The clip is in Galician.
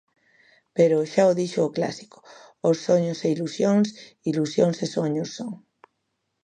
"Pero, xa o dixo o clásico, "os soños e ilusións, ilusións e soños son"